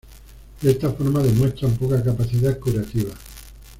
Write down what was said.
De esta forma, demuestran poca capacidad curativa.